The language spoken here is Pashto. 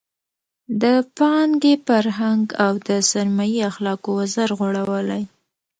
د پانګې فرهنګ او د سرمایې اخلاقو وزر غوړولی.